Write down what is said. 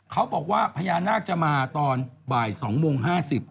เขาบอกว่าพญานาคจะมาตอนบ่าย๒โมง๕๐